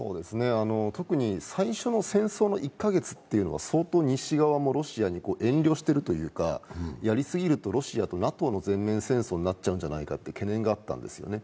特に最初の戦争の１カ月というのは、相当西側もロシアに遠慮してるというか、やり過ぎるとロシアとＮＡＴＯの全面戦争になっちゃうんじゃないかという懸念があったんですね。